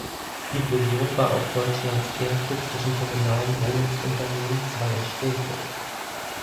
Die Fusion war auch Deutschlands erste zwischen kommunalen Wohnungsunternehmen zweier Städten.